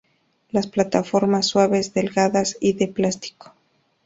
Las plataformas "suaves" delgadas y de plástico.